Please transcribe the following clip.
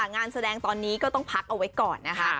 งานแสดงตอนนี้ก็ต้องพักเอาไว้ก่อนนะคะ